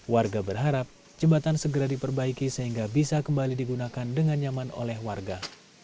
warga berharap jembatan segera diperbaiki sehingga bisa kembali digunakan dengan nyaman oleh warga